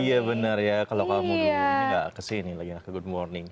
oh iya benar ya kalau kamu dulu enggak kesini lagi enggak ke good morning